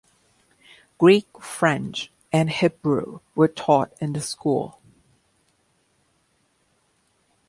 Greek, French and Hebrew were taught in the school.